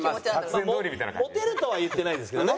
「モテる」とは言ってないですけどね。